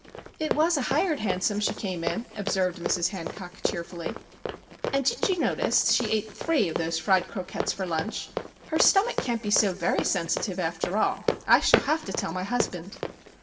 "It was a hired hansom she came in," observed Mrs. Hancock, cheerfully. "And did you notice that she ate three of those fried croquettes for lunch? Her stummick can't be so very sensitive, after all! I shall have to tell my husband!"